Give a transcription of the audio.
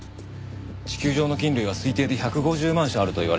地球上の菌類は推定で１５０万種あるといわれています。